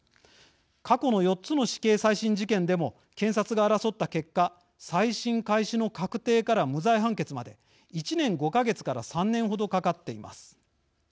過去の４つの死刑再審事件でも検察が争った結果再審開始の確定から無罪判決まで１年５か月から３年ほどかかっています。